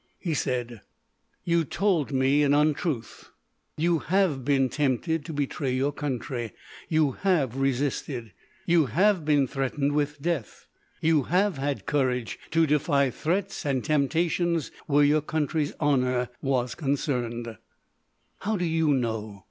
He said: "You told me an untruth. You have been tempted to betray your country. You have resisted. You have been threatened with death. You have had courage to defy threats and temptations where your country's honour was concerned!" "How do you know?"